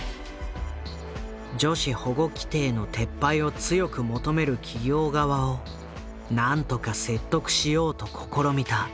女子保護規定の撤廃を強く求める企業側をなんとか説得しようと試みた。